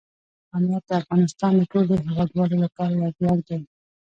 انار د افغانستان د ټولو هیوادوالو لپاره یو ویاړ دی.